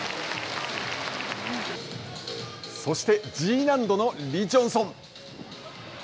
そして、Ｇ難度のリ・ジョンソン。